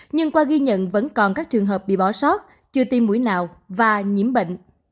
nhưng qua ghi nhận vẫn còn các trường hợp bị bỏ sót chưa tiêm mũi nào và nhiễm bệnh